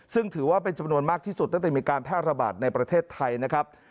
ซึ่งถือว่าเป็นจำนวนมากที่สุดตั้งแต่มีการแพร่ระบาดในประเทศไทยนะครับ